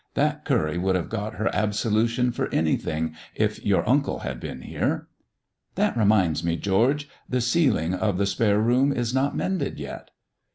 That curry would have got her absolution for anything if your uncle had been here." "That reminds me, George, the ceiling of the spare room is not mended yet."